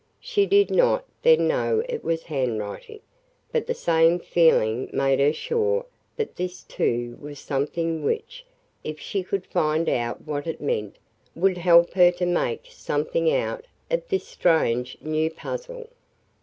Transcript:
She did not then know it was handwriting, but the same feeling made her sure that this too was something which, if she could find out what it meant, would help her to make something out of this strange new puzzle.